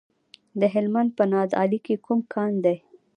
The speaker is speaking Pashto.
د هلمند په نادعلي کې کوم کان دی؟